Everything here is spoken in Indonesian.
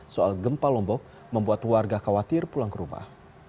soal gempa lombok membuat warga khawatir pulang ke rumah